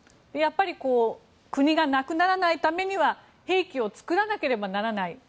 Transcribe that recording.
やっぱり国がなくならないためには兵器を作らなければならない。